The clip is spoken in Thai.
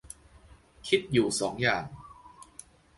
คิดอยู่สองอย่าง